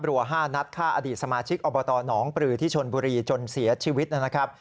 รัว๕นัดฆ่าอดีตสมาชิกอบตหนองปลือที่ชนบุรีจนเสียชีวิตนะครับ